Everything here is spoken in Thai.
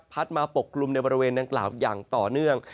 มาปกกลุ่มในบริเวณดังกล่าวอย่างต่อเนื่อง